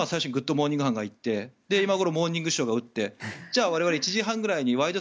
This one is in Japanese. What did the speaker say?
モーニング」班が行って今頃「モーニングショー」班が打ってじゃあ我々１時半くらいに「ワイド！